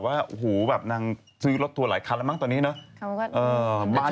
เพราะว่าคุณปัญญาก็มาคุยกับพี่ตุ๊กกี้ว่าเราอยากให้โอกาสลองเด็กใหม่มามีบทบาท